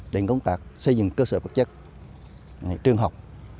đến công tác xây dựng cơ sở vật chất trường học